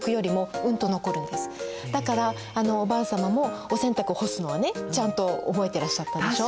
だからあのおばあ様もお洗濯干すのはねちゃんと覚えてらっしゃったでしょ。